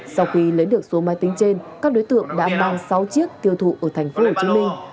sau khi lấy được số máy tính trên các đối tượng đã mang sáu chiếc tiêu thụ ở thành phố hồ chí minh